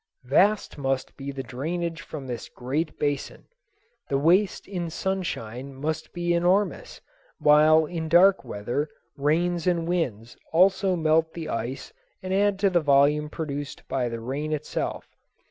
Vast must be the drainage from this great basin. The waste in sunshine must be enormous, while in dark weather rains and winds also melt the ice and add to the volume produced by the rain itself.